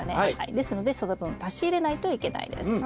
ですのでその分足し入れないといけないです。